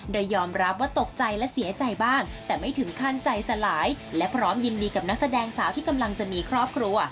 โดยยอมรับว่าตกใจและเสียใจบ้างแต่ไม่ถึงขั้นใจสลายและพร้อมยินดีกับนักแสดงสาวที่กำลังจะมีครอบครัว